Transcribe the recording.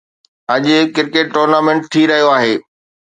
اڄ cricket tournament ٿي رهيو آهي.